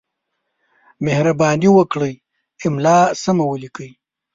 مهرباني وکړئ! املا سمه ولیکئ!